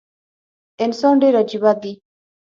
انسان ډیر عجیبه دي